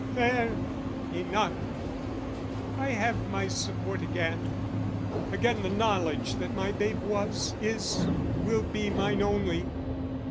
There, enough! I have my support again, Again the knowledge that my babe was, is, Will be mine only.